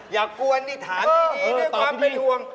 อย่ากวนนี่ถามดีด้วยความเป็นห่วง